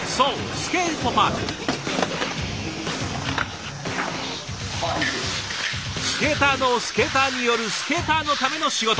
スケーターのスケーターによるスケーターのための仕事。